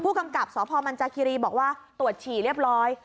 กำกับสพมันจาคิรีบอกว่าตรวจฉี่เรียบร้อย